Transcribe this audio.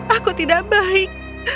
aku tidak baik